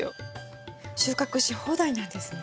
収穫し放題なんですね。